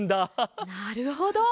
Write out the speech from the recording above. なるほど。